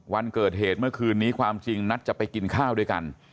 วันเกิดเหตุเมื่อคืนนี้ความจริงนัดจะไปกินข้าวด้วยกัน